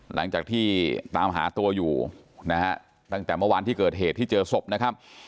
หลังจากที่ตามหาตัวอยู่นะฮะตั้งแต่เมื่อวานที่เกิดเหตุที่เจอศพนะครับ